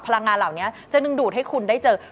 พลังงานเหล่านี้จะดึงดูดให้คุณได้เจอ